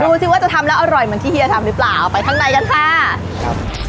สิว่าจะทำแล้วอร่อยเหมือนที่เฮียทำหรือเปล่าไปข้างในกันค่ะครับ